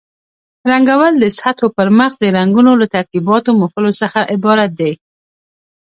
رنګول د سطحو پرمخ د رنګونو له ترکیباتو مښلو څخه عبارت دي.